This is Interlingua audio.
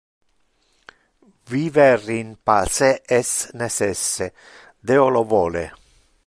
Viver in pace es necesse, Deo lo vole.